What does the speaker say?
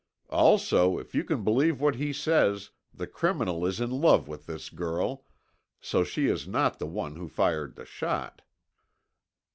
"Also, if you can believe what he says, the criminal is in love with this girl, so she is not the one who fired the shot."